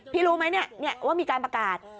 พี่รู้ไหมนี่ว่ามีการประกาศ